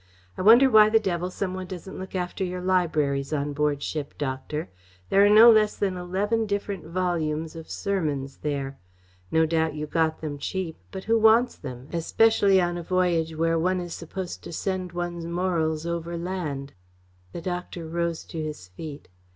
"I wonder why the devil some one doesn't look after your libraries on board ship, Doctor. There are no less than eleven different volumes of sermons there. No doubt you got them cheap, but who wants them, especially on a voyage where one is supposed to send one's morals overland." The doctor rose to his feet.